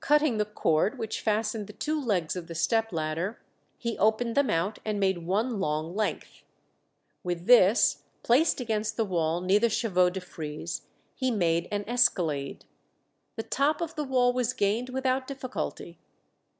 Cutting the cord which fastened the two legs of the step ladder, he opened them out and made one long length; with this, placed against the wall near the chevaux de frise, he made an escalade. The top of the wall was gained without difficulty.